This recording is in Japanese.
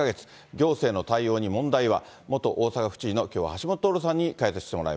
行政の対応に問題は。